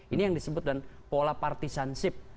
ini yang disebut dengan pola partisansip